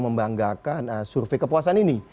membanggakan survei kepuasan ini